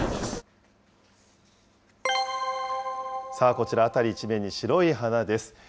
こちら、辺り一面に白い花です。